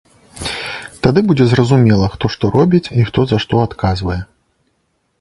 Тады будзе зразумела, хто што робіць і хто за што адказвае.